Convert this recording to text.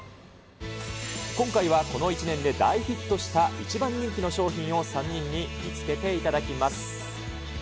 今回はこの１年で大ヒットした１番人気の商品を３人に見つけていただきます。